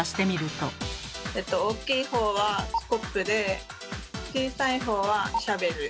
えと大きい方はスコップで小さい方はシャベル。